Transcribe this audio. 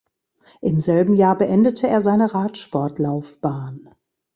Im selben Jahr beendete er seine Radsport-Laufbahn.